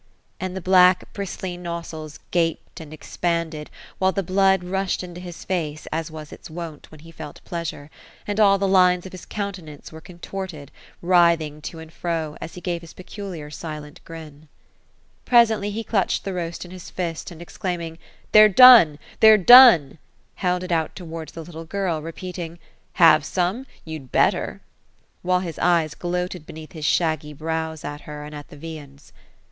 And the black bristly nostrils gapod and expanded, while the blood rushed into his face, as was its wont, when he felt pleasure ; and all the lines of his countenance were contorted, writhing to and fro, as he gave his peculiar silent grin. Presently, he clutched the roast in his fist, and exclaiming: — 'Hhey're done! they're done!" held it out towards the little girl, repeating, " Have some ? you'd better !" while his eyes gloated beneath his shaggy brows, at her, and at the viands.